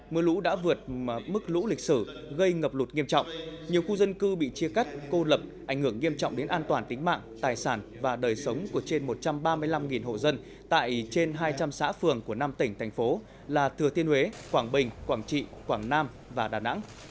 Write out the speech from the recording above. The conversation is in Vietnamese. mưa lũ đã vượt mức lũ lịch sử gây ngập lụt nghiêm trọng nhiều khu dân cư bị chia cắt cô lập ảnh hưởng nghiêm trọng đến an toàn tính mạng tài sản và đời sống của trên một trăm ba mươi năm hộ dân tại trên hai trăm linh xã phường của năm tỉnh thành phố là thừa thiên huế quảng bình quảng trị quảng nam và đà nẵng